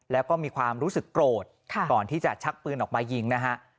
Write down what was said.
แล้วก็มีความรู้สึกโกรธก่อนที่จะชักปืนออกมายิงนะฮะ